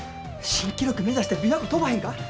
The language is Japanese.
新記録目指して琵琶湖飛ばへんか？